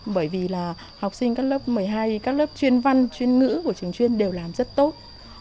bởi vì là học sinh các lớp một mươi hai các lớp chuyên văn chuyên ngữ của trường chuyên đều làm rất tốt